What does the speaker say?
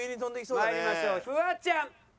まいりましょうフワちゃん。